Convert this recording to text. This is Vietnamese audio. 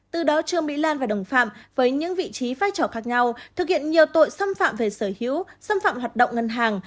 từ đó trương mỹ lan và đồng phạm với những vị trí vai trò khác nhau thực hiện nhiều tội xâm phạm về sở hữu xâm phạm hoạt động ngân hàng